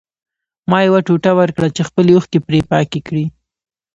ما یو ټوټه ورکړه چې خپلې اوښکې پرې پاکې کړي